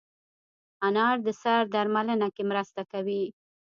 انار د سر درملنه کې مرسته کوي.